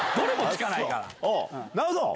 なるほど！